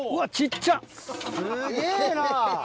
すげぇな！